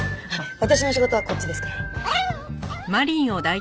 私の仕事はこっちですから。